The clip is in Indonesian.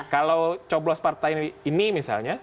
kalau coblos partai ini misalnya